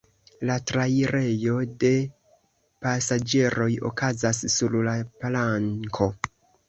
La trairejo de pasaĝeroj okazas sur la planko.